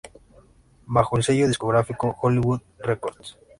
Bajo el sello discográfico Hollywood Records.